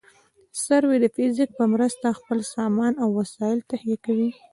سروې د فزیک په مرسته خپل سامان او وسایل تهیه کوي